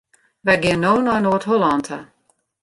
Wy gean no nei Noard-Hollân ta.